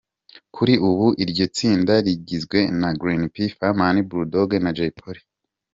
Kuri ubu iryo tsinda rigizwe na Green P, Fireman, Bull Dogg na Jay Polly.